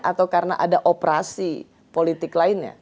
atau karena ada operasi politik lainnya